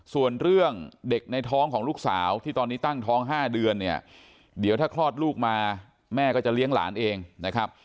ส่วนเรื่องเด็กในท้องของลูกสาวที่ตอนนี้ตั้งท้อง๕เดือนเนี่ยเดี๋ยวถ้าคลอดลูกมาแม่ก็จะเลี้ยงหลานเองนะครับ